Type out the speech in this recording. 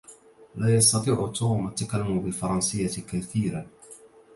لا يستطيع توم التكلم بالفرنسية كثيرا.